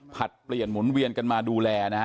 ผัดเปลี่ยนหมุนเวียนมาดูแล